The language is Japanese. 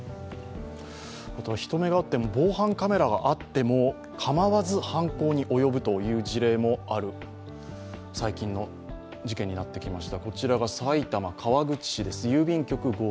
あとは人目があっても防犯カメラがあってもかまわず犯行に及ぶという事例もある、最近の事件になってきました